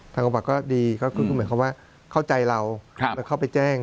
ทางกองปากก็ดีเขาเข้าใจเราเข้าไปแจ้ง